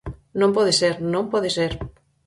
Non pode ser, non pode ser.